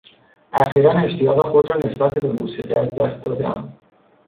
اخیرا اشتیاق خود را نسبت به موسیقی از دست دادهام.